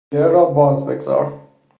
پنجره را باز بگذار!